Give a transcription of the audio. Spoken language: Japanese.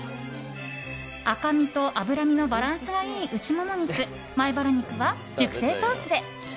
赤身と脂身のバランスがいい内もも肉、前バラ肉は熟成ソースで。